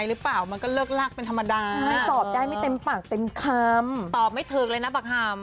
เริ่มอีกทีรุ่นครับ